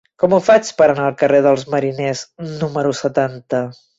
Com ho faig per anar al carrer dels Mariners número setanta?